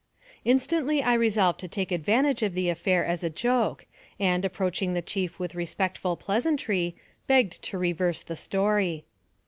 Instantly I resolved to take advantage of the affair as a joke, and, approaching the chief with respectful pleasantry, begged to reverse the story.